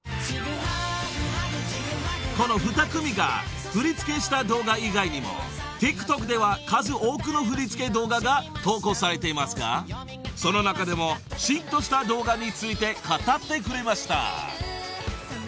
［この２組が振り付けした動画以外にもＴｉｋＴｏｋでは数多くの振り付け動画が投稿されていますがその中でも嫉妬した動画について語ってくれました］